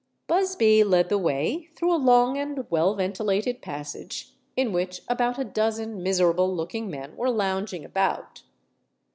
Busby led the way through a long and well ventilated passage, in which about a dozen miserable looking men were lounging about.